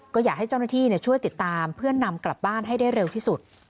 ก็อยากให้เจ้าหน้าที่ช่วยติดตามเพื่อนำกลับบ้านให้ได้เร็วที่สุด